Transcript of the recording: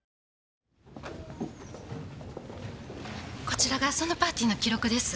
こちらがそのパーティーの記録です。